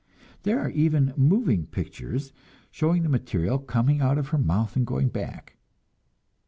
There are even moving pictures, showing the material coming out of her mouth and going back!